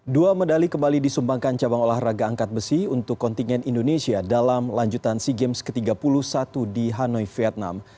dua medali kembali disumbangkan cabang olahraga angkat besi untuk kontingen indonesia dalam lanjutan sea games ke tiga puluh satu di hanoi vietnam